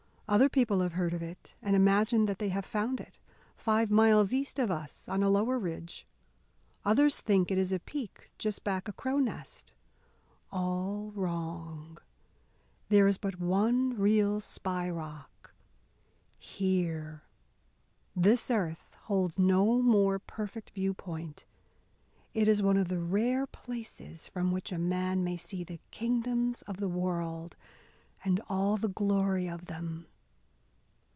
Other people have heard of it, and imagine that they have found it five miles east of us on a lower ridge. Others think it is a peak just back of Cro' Nest. All wrong! There is but one real Spy Rock here! This earth holds no more perfect view point. It is one of the rare places from which a man may see the kingdoms of the world and all the glory of them.